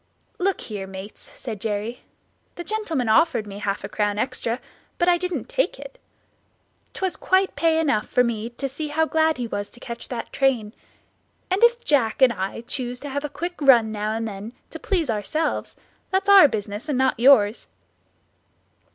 "Look here, mates," said Jerry; "the gentleman offered me half a crown extra, but I didn't take it; 'twas quite pay enough for me to see how glad he was to catch that train; and if Jack and I choose to have a quick run now and then to please ourselves, that's our business and not yours."